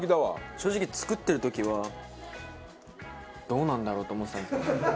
正直作ってる時はどうなんだろう？と思ってたんですけど。